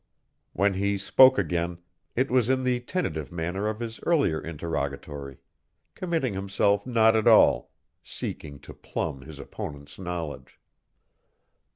When he spoke again, it was in the tentative manner of his earlier interrogatory, committing himself not at all, seeking to plumb his opponent's knowledge.